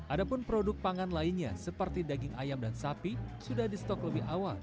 ada pun produk pangan lainnya seperti daging ayam dan sapi sudah di stok lebih awal